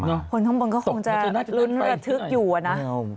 โอ้โฮคนข้างบนก็คงจะลุ้นเรือทึกอยู่นะ